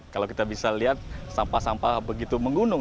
kalau kita bisa lihat sampah sampah begitu menggunung